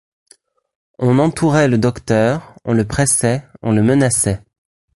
On entourait le docteur ; on le pressait, on le menaçait.